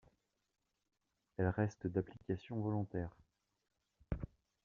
Elle reste d'application volontaire.